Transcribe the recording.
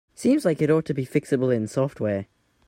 Seems like it ought to be fixable in software.